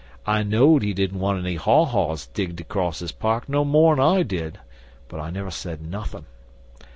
I knowed he didn't want any haws haws digged acrost his park no more'n I did, but I never said nothin'.